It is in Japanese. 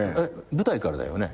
舞台からだよね？